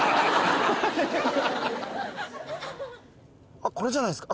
あっこれじゃないすか？